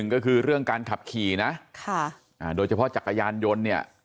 ๑ก็คือเรื่องการขับขี่น่ะโดยเฉพาะจักรยานย้น